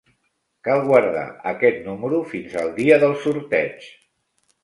Cal guardar aquest número fins al dia del sorteig.